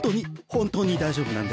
本当に大丈夫なんで。